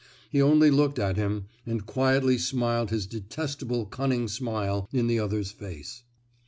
He only looked at him, and quietly smiled his detestable cunning smile in the other's face.